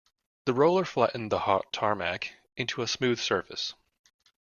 The roller flattened the hot tarmac into a smooth surface.